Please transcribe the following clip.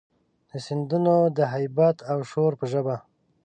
د سیندونو د هیبت او شور په ژبه،